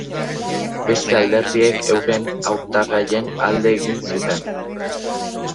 Beste alderdiek euren hautagaien alde egin zuten.